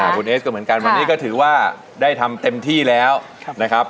คุณเอสก็เหมือนกันวันนี้ก็ถือว่าได้ทำเต็มที่แล้วนะครับ